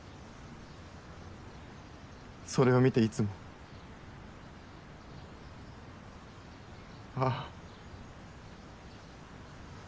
それを見ていつも「ああ」。